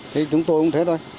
thế chúng tôi cũng thế thôi